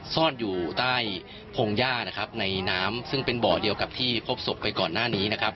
ซ่อนอยู่ใต้ผงย่าในน้ำซึ่งเป็นเบาะเดียวกับที่พบสกไปก่อนหน้านี้